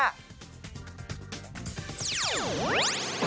ปรุโยชน์จีโมงค์